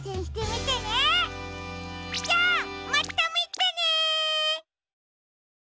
じゃあまたみてね！